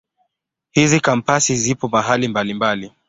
Hizi Kampasi zipo mahali mbalimbali.